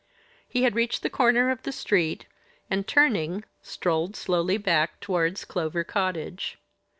He had reached the corner of the street, and, turning, strolled slowly back towards Clover Cottage.